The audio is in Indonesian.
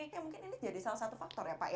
oke mungkin ini jadi salah satu faktor ya pak ya